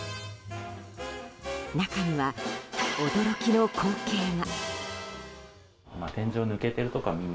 中には、驚きの光景が。